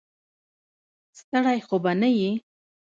ستړی خو به نه یې.